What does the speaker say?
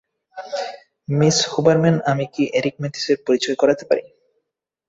Miss Hubermann, আমি কি Eric ম্যাথিসের পরিচয় করাতে পারি?